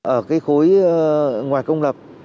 ở cái khối ngoài công lập